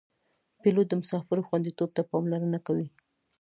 پیلوټ د مسافرو خوندیتوب ته پاملرنه کوي.